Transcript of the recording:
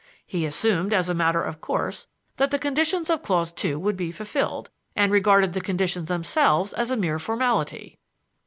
He assumed, as a matter of course, that the conditions of clause two would be fulfilled, and regarded the conditions themselves as a mere formality."